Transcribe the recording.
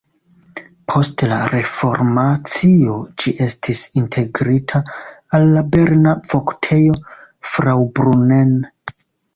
Post la reformacio ĝi estis integrita al la berna Voktejo Fraubrunnen.